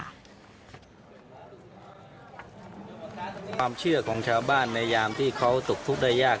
ความเชื่อของชาวบ้านในยามที่เขาตกทุกข์ได้ยาก